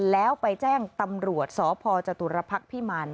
แล้วไปแจ้งตำรวจสพจตุรพักษ์พิมาร